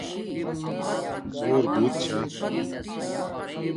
زُݸربݸت چھݳ